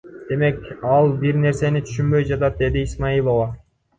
Демек, ал бир нерсени түшүнбөй жатат, — деди Исмаилова.